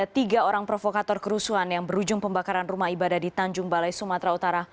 tiga orang provokator kerusuhan yang berujung pembakaran rumah ibadah di tanjung balai sumatera utara